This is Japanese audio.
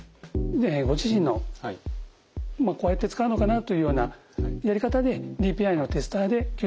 ご自身のまあこうやって使うのかなというようなやり方でＤＰＩのテスターで吸入をしてみてください。